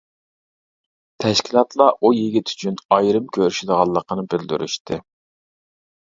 تەشكىلاتلار ئۇ يىگىت ئۈچۈن ئايرىم كۆرۈشىدىغانلىقىنى بىلدۈرۈشتى.